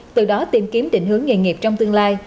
từ đó tìm kiếm định hướng nghề nghiệp trong tương lai